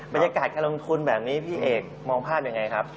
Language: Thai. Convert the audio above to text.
บรรยากาศการลงทุนแบบนี้พี่เอกมองภาพยังไงครับ